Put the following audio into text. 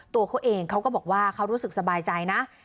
ตัวเขาเองเขาก็บอกว่าเขารู้สึกสบายใจนะ